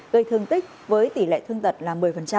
gây thương tích với tỷ lệ thương tật là một mươi